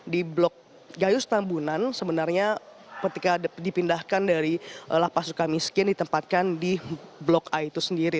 di blok gayus tambunan sebenarnya ketika dipindahkan dari lapas suka miskin ditempatkan di blok a itu sendiri